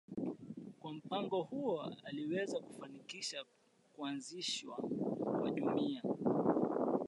Kwa mpango huo aliweza kufanikisha kuanzishwa kwa Jumuiya